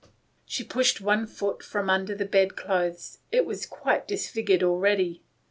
" She pushed one foot from under the bed clothes. It was quite disfigured already.